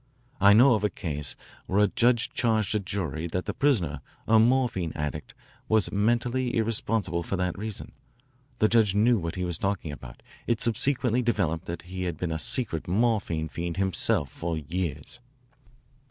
I know of a case where a judge charged a jury that the prisoner, a morphine addict, was mentally irresponsible for that reason. The judge knew what he was talking about. It subsequently developed that he had been a secret morphine fiend himself for years."